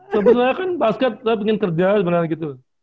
sebenarnya kan basket tapi pengen kerja sebenarnya gitu